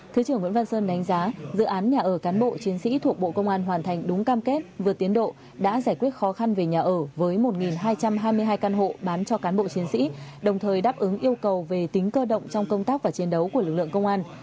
thứ trưởng nguyễn văn sơn đánh giá dự án nhà ở cán bộ chiến sĩ thuộc bộ công an hoàn thành đúng cam kết vượt tiến độ đã giải quyết khó khăn về nhà ở với một hai trăm hai mươi hai căn hộ bán cho cán bộ chiến sĩ đồng thời đáp ứng yêu cầu về tính cơ động trong công tác và chiến đấu của lực lượng công an